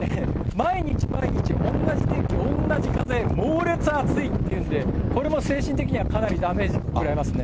毎日毎日、同じ天気、同じ風、猛烈暑いっていうんで、これも精神的にはかなりダメージ食らいますね。